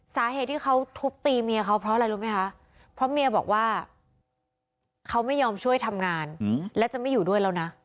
สาเหตุที่เขาทุบตีเมียเขาเพราะอะไรรู้ไหมคะเพราะเมียบอกว่าเขาไม่ยอมช่วยทำงานและจะไม่อยู่ด้วยแล้วนะ